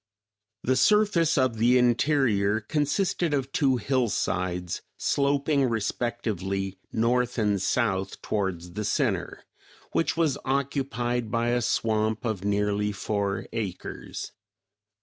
The surface of the interior consisted of two hillsides, sloping respectively north and south towards the center which was occupied by a swamp of nearly four acres.